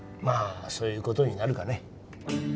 まあそういうことになるかね